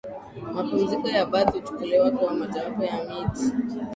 mapumziko wa Bath huchukuliwa kuwa mojawapo ya miji